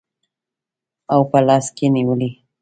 او په لاس کې نیولي